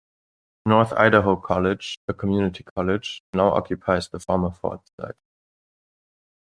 North Idaho College, a community college, now occupies the former fort site.